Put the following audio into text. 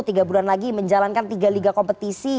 tiga bulan lagi menjalankan tiga liga kompetisi